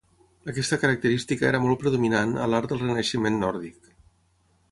Aquesta característica era molt predominant a l"art del Renaixement nòrdic.